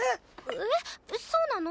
えっそうなの？